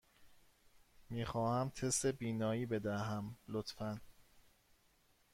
می خواهم تست بینایی بدهم، لطفاً.